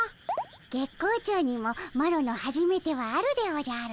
月光町にもマロのはじめてはあるでおじゃる。